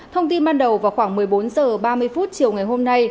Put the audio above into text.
thông tin ban đầu vào khoảng một mươi bốn h ba mươi chiều ngày hôm nay